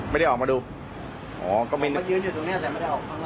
ไม่ได้ออกมาดูอ๋อก็ไม่ได้มายืนอยู่ตรงเนี้ยแต่ไม่ได้ออกมา